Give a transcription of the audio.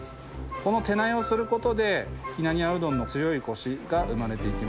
この手綯をする事で稲庭うどんの強いコシが生まれていきます。